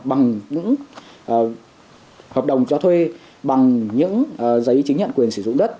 bằng những hợp đồng cho thuê bằng những giấy chứng nhận quyền sử dụng đất